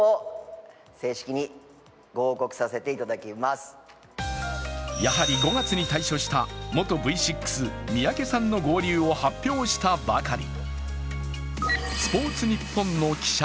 この５日前にはやはり５月に退所した元Ｖ６・三宅さんの合流を発表したばかり。